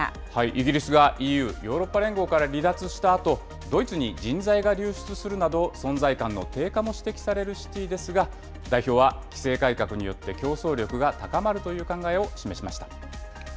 イギリスがＥＵ・ヨーロッパ連合から離脱したあと、ドイツに人材が流出するなど、存在感の低下も指摘されるシティですが、代表は規制改革によって競争力が高まるという考えを示しました。